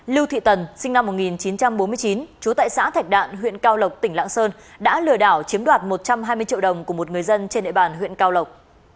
lưu thị tần sinh năm một nghìn chín trăm bốn mươi chín trú tại xã thạch đạn huyện cao lộc tỉnh lạng sơn đã lừa đảo chiếm đoạt một trăm hai mươi triệu đồng của một người dân trên địa bàn huyện cao lộc